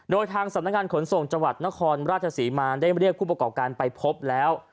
โดยทางสำนักงานขนส่งจังหวัดนครราชศรีมาได้เรียกผู้ประกอบการไปพบแล้ว